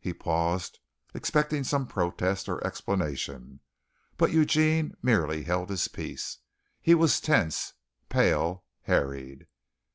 He paused, expecting some protest or explanation, but Eugene merely held his peace. He was tense, pale, harried.